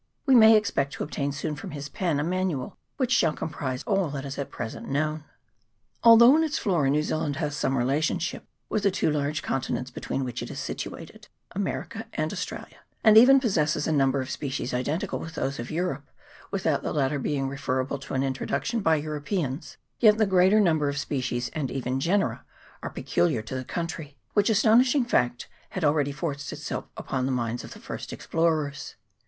We may expect to obtain soon from his pen a manual which shall comprise all that is at present known. Although in its flora New Zealand has some relationship with the two large continents between which it is situated, America and Australia, and even possesses a number of species identical with those of Europe, without the latter being referable to an introduction by Europeans, yet the greater number of species, and even genera, are peculiar to the country, which astonishing fact had already forced itself upon the minds of the first explorers.